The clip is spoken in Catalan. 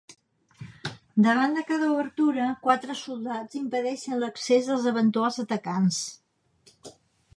Davant de cada obertura, quatre soldats impedeixen l'accés dels eventuals atacants.